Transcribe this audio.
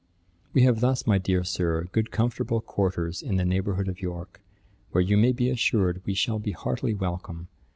'We have thus, my dear Sir, good comfortable quarters in the neighbourhood of York, where you may be assured we shall be heartily welcome.